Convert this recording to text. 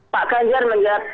pak ganjar menjawab